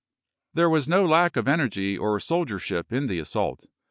There was no lack of energy or soldiership in the assault.